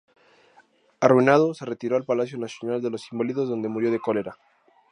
Arruinado, se retiró al Palacio Nacional de los Inválidos donde murió de cólera.